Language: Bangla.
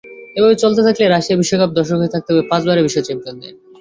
এভাবে চলতে থাকলে রাশিয়া বিশ্বকাপে দর্শক হয়ে থাকতে হবে পাঁচবারের বিশ্ব চ্যাম্পিয়নদের।